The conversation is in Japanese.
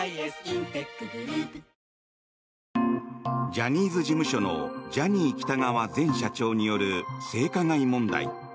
ジャニーズ事務所のジャニー喜多川前社長による性加害問題。